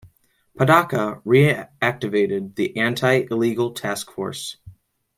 Padaca reactivated the anti-illegal task force.